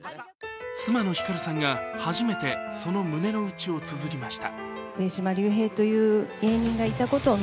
妻の光さんが初めて、その胸のうちをつづりました。